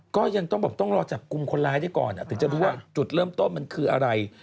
ก็ยังต้องบอกต้องรอจับกลุ่มคนร้ายได้ก่อนถึงจะรู้ว่าจุดเริ่มต้นมันคืออะไร